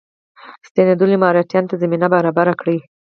ستنېدلو مرهټیانو ته زمینه برابره کړه.